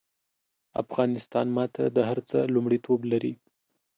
افغانستان ماته د هر څه لومړيتوب لري